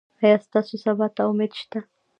ایا ستاسو سبا ته امید شته؟